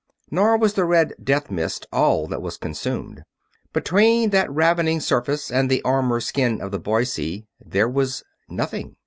Nor was the red death mist all that was consumed. Between that ravening surface and the armor skin of the Boise there was nothing.